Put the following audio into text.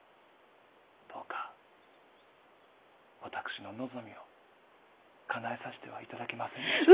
どうか私の望みをかなえさしては頂けませんでしょうか。